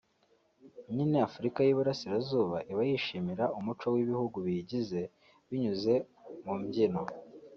nyine Afurika y’Uburasirazuba iba yishimira umuco w’ibihugu biyigize binyuze mu mbyino